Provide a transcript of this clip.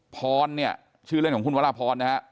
พรเนี่ยชื่อเล่นของคุณวรพรนะฮะ